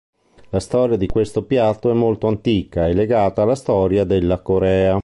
La storia di questo piatto è molto antica e legata alla storia della Corea.